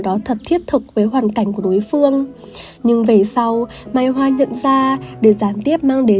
đó thật thiết thực với hoàn cảnh của đối phương nhưng về sau may hoa nhận ra để gián tiếp mang đến